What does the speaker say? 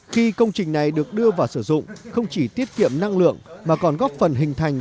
khi công trình này được đưa vào sử dụng không chỉ tiết kiệm năng lượng mà còn góp phần hình thành